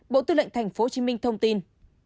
bộ tư lệnh tp hcm thông tin